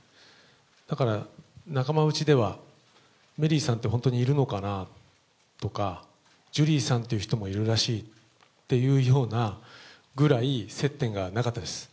だから、仲間内ではメリーさんって本当にいるのかなとか、ジュリーさんっていう人もいるらしいっていうようなぐらい、接点がなかったです。